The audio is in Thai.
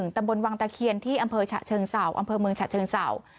ดำบลวางตะเขียนที่อำเภอเชิงเสาอำเภอเมืองเชิงเสา